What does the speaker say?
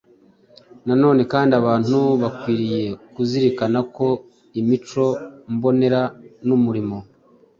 Na none kandi, abantu bakwiriye kuzirikana ko imico mbonera n’umurimo